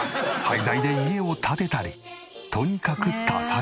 廃材で家を建てたりとにかく多才。